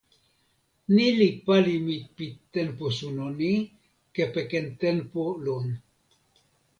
ni li pali mi pi tenpo suno ni, kepeken tenpo lon: